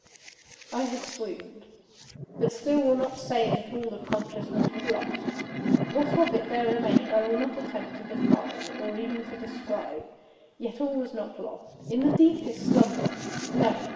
I had swooned; but still will not say that all of consciousness was lost. What of it there remained I will not attempt to define, or even to describe; yet all was not lost. In the deepest slumber—no!